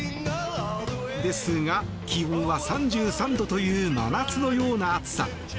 ですが、気温は３３度という真夏のような暑さ。